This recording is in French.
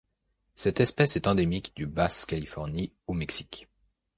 Cette espèce est endémique du Basse-Californie au Mexique.